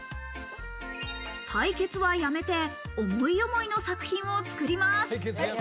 対決はやめて思い思いの作品を作ります。